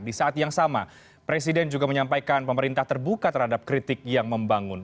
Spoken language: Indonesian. di saat yang sama presiden juga menyampaikan pemerintah terbuka terhadap kritik yang membangun